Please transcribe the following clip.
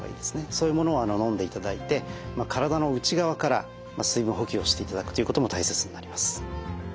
そういうものを飲んでいただいて体の内側から水分補給をしていただくということも大切になります。